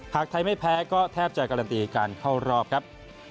หากไทยไม่แพ้ก็แทบจะการันตีการเข้ารอบครับ